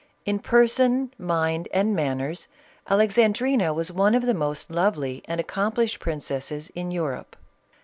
In person, mind, and manners, Alexandrina was one of the most lovely and accomplished princesses in Europe."